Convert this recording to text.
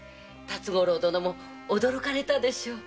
辰五郎殿も驚かれたでしょう。